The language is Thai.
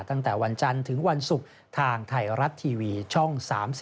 ตั้งแต่วันจันทร์ถึงวันศุกร์ทางไทยรัฐทีวีช่อง๓๒